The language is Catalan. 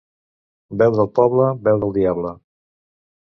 Veu del poble, veu del diable.